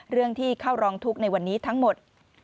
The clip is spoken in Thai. เรื่องที่เข้าร้องทุกข์ในวันนี้ทั้งหมด